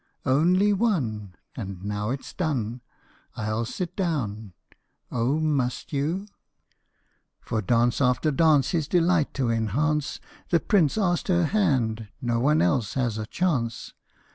" Only one And now it 's done I '11 sit down." " Oh, must you :" For dance after dance his delight to enhance The Prince asks her hand ; no one else has a chance